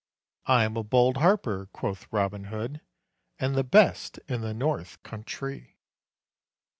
"I am a bold harper," quoth Robin Hood, "And the best in the north country."